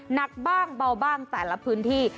หนักบ้างเบาบ้างแต่ละพื้นที่